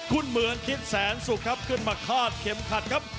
คุณเหมือนคิดแสนสุขครับขึ้นมาคาดเข็มขัดครับ